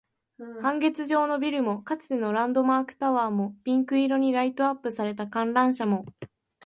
半月状のビルも、かつてのランドマークタワーも、ピンク色にライトアップされた観覧車も